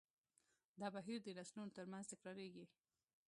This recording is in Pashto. دا بهیر د نسلونو تر منځ تکراریږي.